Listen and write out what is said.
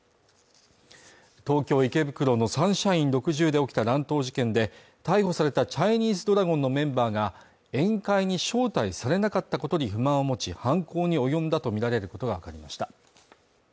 東京・池袋のサンシャイン６０で起きた乱闘事件で逮捕されたチャイニーズドラゴンのメンバーが宴会に招待されなかったことに不満を持ち犯行に及んだと見られることが分かりました